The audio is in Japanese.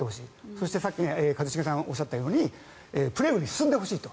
そして、さっき一茂さんがおっしゃったようにプレーオフに進んでほしいと。